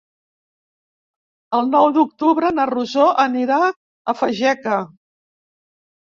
El nou d'octubre na Rosó anirà a Fageca.